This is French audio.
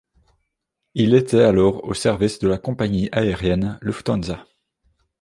Il était alors au service de la compagnie aérienne Lufthansa.